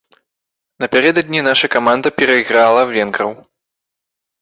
Напярэдадні наша каманда перайграла венграў.